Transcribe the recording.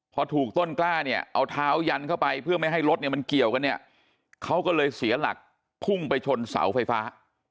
พอถูกต้นกล้าเนี่ยเอาเท้ายันเข้าไปเพื่อไม่ให้รถเนี่ยมันเกี่ยวกันเนี่ยเขาก็เลยเสียหลักพุ่งไปชนเสาไฟฟ้า